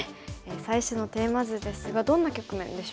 最初のテーマ図ですがどんな局面でしょうか。